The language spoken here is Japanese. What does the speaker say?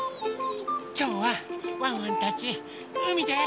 きょうはワンワンたちうみで。